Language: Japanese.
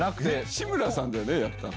志村さんだよね、やってたの。